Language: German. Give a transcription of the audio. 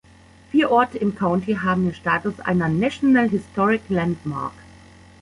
Vier Orte im County haben den Status einer National Historic Landmark.